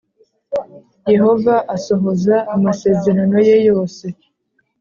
Yehova azasohoza amasezerano ye yose